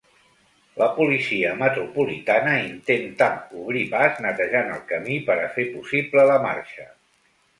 La policia metropolitana intentà obrir pas netejant el camí per a fer possible la marxa.